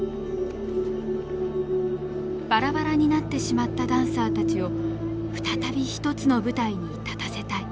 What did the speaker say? バラバラになってしまったダンサーたちを再び一つの舞台に立たせたい。